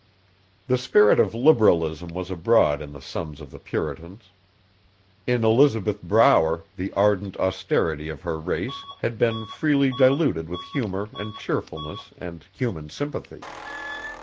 The spirit of liberalism was abroad in the sons of the Puritans. In Elizabeth Brower the ardent austerity of her race had been freely diluted with humour and cheerfulness and human sympathy.